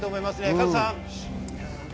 加藤さん。